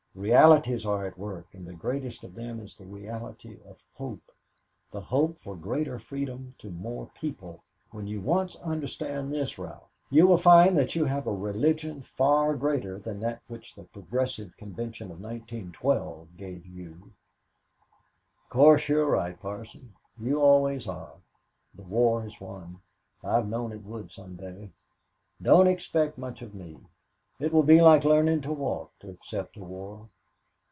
Realities are at work, and the greatest of them is the reality of hope the hope for greater freedom to more people. When you once understand this, Ralph, you will find that you have a religion far greater than that which the Progressive Convention of 1912 gave you." "Of course you're right, Parson. You always are. The war has won. I've known it would some day. Don't expect much of me. It will be like learning to walk, to accept the war."